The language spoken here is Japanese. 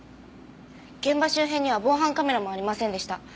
現場周辺には防犯カメラもありませんでした。